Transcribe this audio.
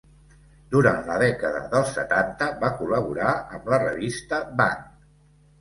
Durant la dècada dels setanta, va col·laborar amb la revista Bang!